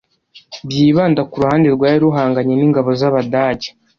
byibanda ku ruhande rwari ruhanganye n'Ingabo z'Abadage